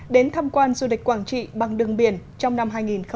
đến tham quan du lịch quảng trị bằng đường biển trong năm hai nghìn một mươi chín